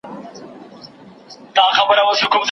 دا خبره هم پر ژبه سم راوړلای